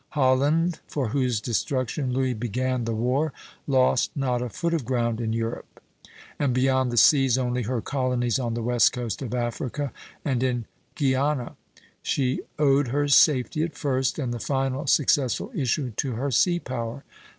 Holland, for whose destruction Louis began the war, lost not a foot of ground in Europe; and beyond the seas only her colonies on the west coast of Africa and in Guiana. She owed her safety at first, and the final successful issue, to her sea power.